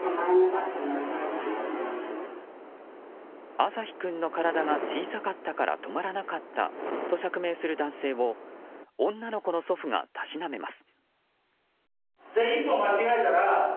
朝陽君の体が小さかったから止まらなかったと釈明する男性を女の子の祖父がたしなめます。